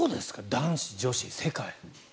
男子、女子、世界。